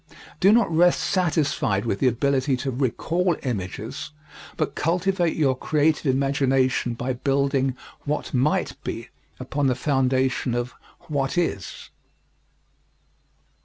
Do not rest satisfied with the ability to recall images, but cultivate your creative imagination by building "what might be" upon the foundation of "what is."